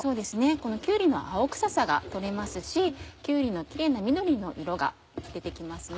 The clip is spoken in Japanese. このきゅうりの青臭さが取れますしきゅうりのきれいな緑の色が出て来ますね。